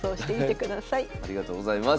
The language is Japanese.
ありがとうございます。